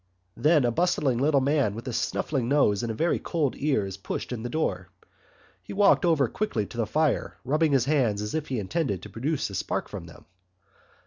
Then a bustling little man with a snuffling nose and very cold ears pushed in the door. He walked over quickly to the fire, rubbing his hands as if he intended to produce a spark from them.